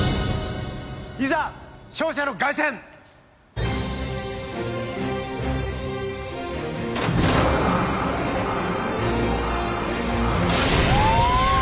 いざ勝者の凱旋！わ！